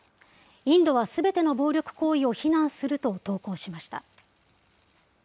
インドはすべての暴力行為を非難すると投稿しました。